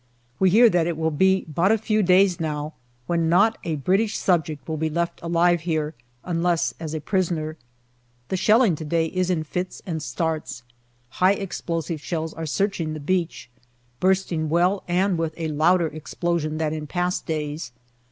We hear that it will be but a few days now when not a British subject will be left alive here unless as a prisoner. The shelling to day is in fits and starts. High explosive shells are searching the beach, bursting well and with a louder explosion than in past days.